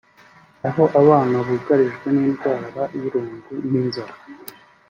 aho abana bugarijwe n’indwara y’irungu n’inzara